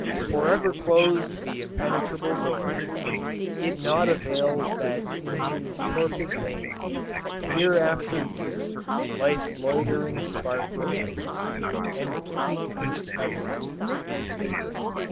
"Forever closed the impenetrable door, It naught avails that in his torpid veins Year after year, life's loitering spark remains." _Evans.